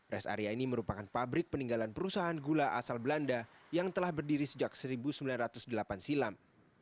res area ini merupakan pabrik peninggalan perusahaan gula asal belanda yang telah berdiri sejak seribu sembilan ratus delapan silam